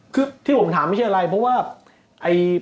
คือที่ผมถามไม่ใช่อะไรเพราะว่า